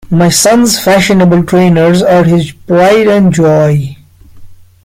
My son's fashionable trainers are his pride and joy